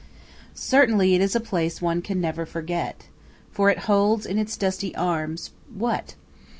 Certainly it is a place one can never forget. For it holds in its dusty arms what?